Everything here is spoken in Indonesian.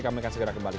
kami akan segera kembali